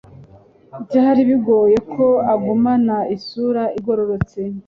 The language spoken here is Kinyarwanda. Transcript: Byari bigoye ko agumana isura igororotse.